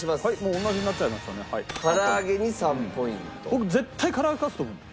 僕絶対から揚げ勝つと思うの。